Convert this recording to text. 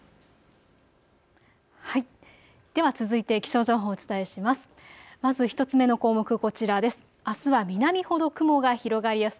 では続いて気象情報をお伝えします。